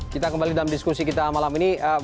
kita kembali dalam diskusi kita malam ini